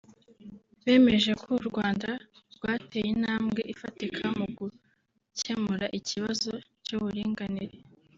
bemeje ko u Rwanda rwateye intambwe ifatika mu gukemura ikibazo cy’uburinganire